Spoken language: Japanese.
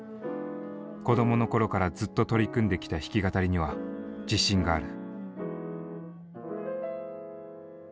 子どもの頃からずっと取り組んできた弾き語りには自信がある。